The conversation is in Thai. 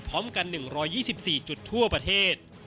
พร้อมกัน๑๒๔จุดทั่วประเทศ